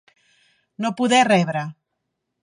No poder rebre.